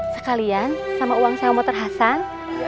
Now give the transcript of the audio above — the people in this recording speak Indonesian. sekalian sama uang saya mau terhasan